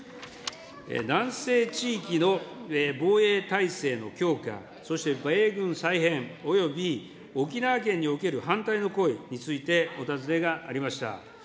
南西地域の防衛体制の強化、そして米軍再編、および沖縄県における反対の声についてお尋ねがありました。